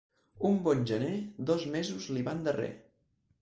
Un bon gener, dos mesos li van darrer.